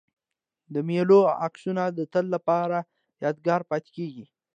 د مېلو عکسونه د تل له پاره یادګار پاته کېږي.